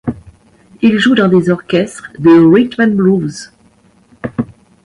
Il joue dans des orchestres de rhythm and blues.